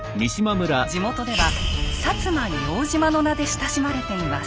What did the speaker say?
地元では「摩硫黄島」の名で親しまれています。